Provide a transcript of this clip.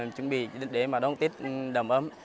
chuẩn bị để mà đón tết đậm ấm